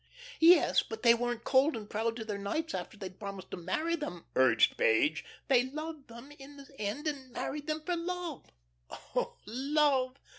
"Yes, but they weren't cold and proud to their knights after they'd promised to marry them," urged Page. "They loved them in the end, and married them for love." "Oh, 'love'!"